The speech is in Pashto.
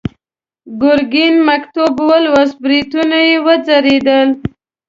ګرګين مکتوب ولوست، برېتونه يې وځړېدل.